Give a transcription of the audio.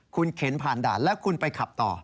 คุณเข็นผ่านด่านแล้วคุณไปขับต่อ